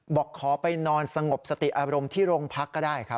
บอกขอไปนอนสงบสติอารมณ์ที่โรงพักก็ได้ครับ